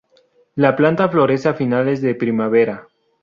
La planta florece a finales de primavera.